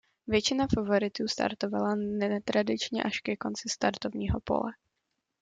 Většina favoritů startovala netradičně až ke konci startovního pole.